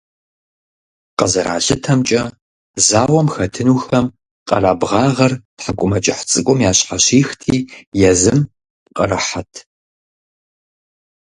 КъызэралъытэмкӀэ, зауэм хэтынухэм къэрабгъагъэр тхьэкӀумэкӀыхь цӀыкӀум ящхьэщихти езым пкъырыхьэт.